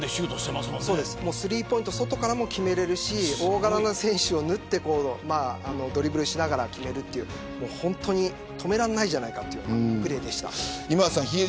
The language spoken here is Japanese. スリーポイント外からも決められるし大柄な選手をぬってドリブルしながら決めるという本当に止められないんじゃないかというプレーでした。